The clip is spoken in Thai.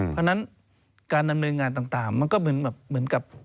เพราะฉะนั้นการดำเนินงานต่างมันก็เหมือนกับ